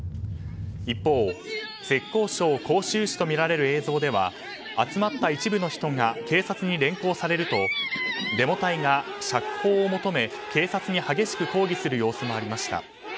一方、浙江省杭州市とみられる映像では集まった一部の人が警察に連行されるとデモ隊が釈放を求め警察に激しく抗議する様子もありました。